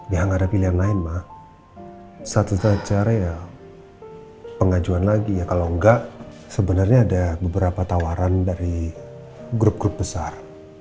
ya gak ada pilihan lain ma satu satunya caranya ya pengajuan lagi kalau enggak sebenarnya ada beberapa tawaran dari grup grup besar